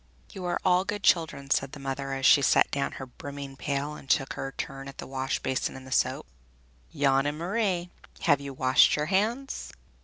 "You are all good children," said the mother as she set down her brimming pail and took her turn at the wash basin and the soap. "Jan and Marie, have you washed your hands?"